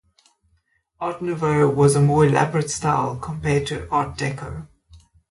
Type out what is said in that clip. Art Nouveau was a more elaborate style compared to Art Deco.